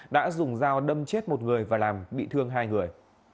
đã dùng dao đâm chết một người và làm bị thương hai người